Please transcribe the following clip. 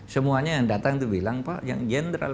semuanya yang datang itu bilang pak yang jenderal